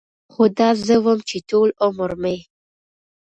خو دا زه وم چې ټول عمر مې